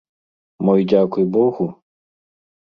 Мо й дзякуй богу?